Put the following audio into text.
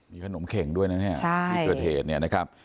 มีขนมเข่งด้วยนะเนี่ยที่เกิดเหตุเนี่ยนะครับ